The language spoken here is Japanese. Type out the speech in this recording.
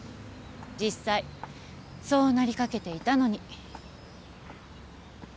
実際そうなりかけていたのに。